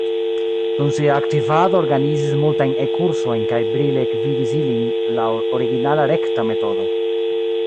Dum sia aktivado organizis multajn E-kursojn kaj brile gvidis ilin laŭ originala rekta metodo.